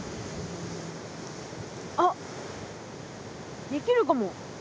あっできるかも。